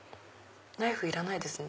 ナイフいらないですね。